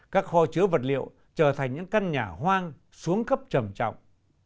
các kho chứa vật liệu trở thành những căn nhà hoang xuống cấp trầm trọng